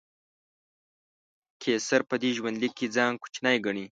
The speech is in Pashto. قیصر په دې ژوندلیک کې ځان کوچنی ګڼي.